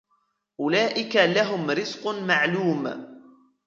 أولئك لهم رزق معلوم